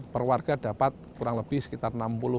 perwarga dapat kurang lebih sekitar enam puluh